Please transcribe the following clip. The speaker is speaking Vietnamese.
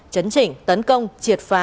chấn chỉnh tấn công triệt phá